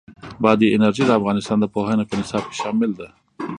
بادي انرژي د افغانستان د پوهنې په نصاب کې شامل ده.